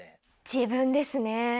自分ですね。